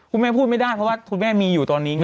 คุณแม่พูดไม่ได้เพราะว่าคุณแม่มีอยู่ตอนนี้ไง